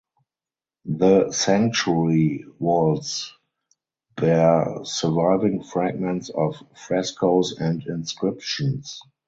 The sanctuary walls bear surviving fragments of frescoes and inscriptions.